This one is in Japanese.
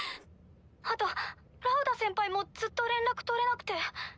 あとラウダ先輩もずっと連絡取れなくて。